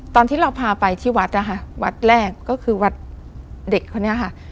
ตอนที่เราพาไปที่วัดนะคะวัดแรกก็คือวัดเด็กคนนี้ค่ะ